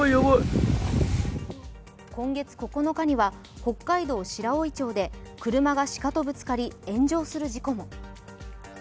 今月９日には、北海道白老町で車が鹿とぶつかり炎上する事故も。